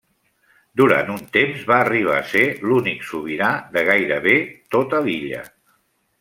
Durant un temps va arribar a ser l'únic sobirà de gairebé tota l'illa.